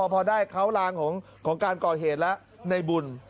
พอได้เขาลางของการก่อเหตุแล้วในบุญ